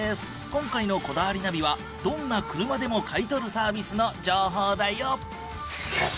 今回の『こだわりナビ』はどんな車でも買い取るサービスの情報だよ！